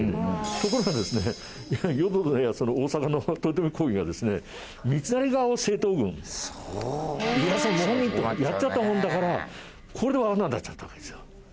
ところがですね淀殿やその大坂の豊臣公儀がですね三成側を正統軍家康を謀反人とやっちゃったもんだからこれでわかんなくなっちゃったわけですよ。